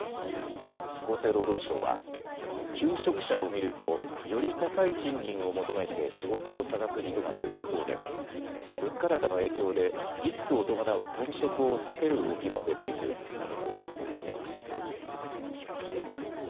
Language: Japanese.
厚生労働省は求職者を見るとより高い賃金を求めて仕事を探す人がいる一方で物価高の影響でリスクを伴う転職を避ける動きも出ているなどと分析しています。